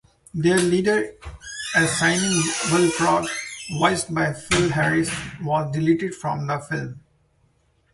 Their leader, a singing bullfrog voiced by Phil Harris, was deleted from the film.